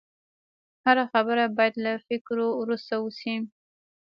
هره خبره باید له فکرو وروسته وشي